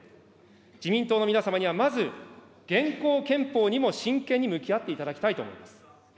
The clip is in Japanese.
自民党の皆様にはまず現行憲法にも真剣に向き合っていただきたいと思います。